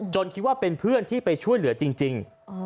คิดว่าเป็นเพื่อนที่ไปช่วยเหลือจริง